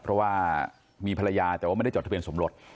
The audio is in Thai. เพราะว่ามีภรรยาแต่ว่าไม่ได้จดทะเบียนสมรส